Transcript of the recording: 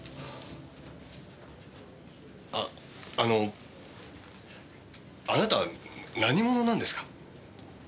ああのあなた何者なんですか？